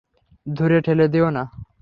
ধূরে ঠেলে দিওনা!